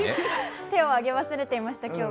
手を挙げ忘れていました、今日は。